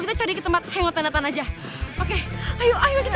waalaikumsalam pak salma diculik